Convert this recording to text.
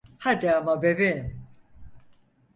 Hadi ama bebeğim.